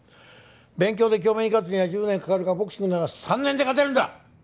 勉強で京明に勝つには１０年かかるがボクシングなら３年で勝てるんだ！